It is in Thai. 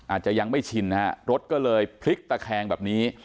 อาจจะยังไม่ชินนะฮะรถก็เลยพลิกตะแคงแบบนี้